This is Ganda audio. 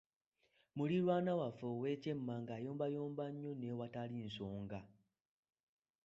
Muliraanwa waffe ow’ekyemmanga ayombayomba nnyo n’awatali nsonga.